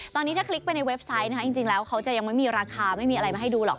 ตอนนี้ถ้าคลิกไปในเว็บไซต์นะคะจริงแล้วเขาจะยังไม่มีราคาไม่มีอะไรมาให้ดูหรอก